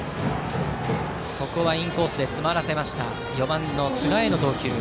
インコースで詰まらせました４番の寿賀への投球。